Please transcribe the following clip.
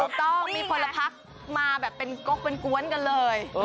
ถูกต้องมีพลพักมาแบบเป็นกกเป็นกวนกันเลย